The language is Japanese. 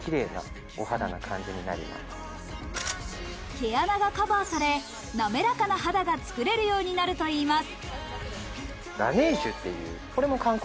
毛穴がカバーされ、なめらかな肌がつくれるようになるといいます。